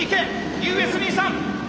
ＵＳ２３．！